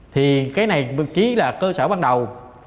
thì cái này ký là cơ sở ban đầu